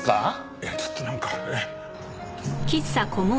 いやちょっとなんかええ。